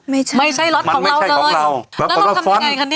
ไม่ใช่ไม่ใช่รถของเราเลยมันไม่ใช่ของเราแล้วเราทำยังไงค่ะเนี้ย